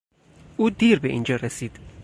او دیر به اینجا رسید.